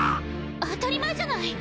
当たり前じゃない！